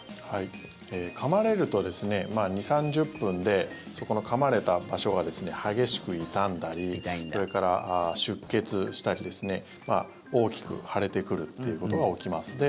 かまれると２０３０分でそこのかまれた場所が激しく痛んだりそれから、出血したり大きく腫れてくるということが起きます。